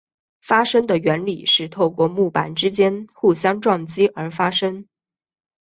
发声的原理是透过木板之间互相撞击而发声。